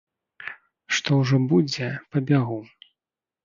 Што ўжо будзе, пабягу.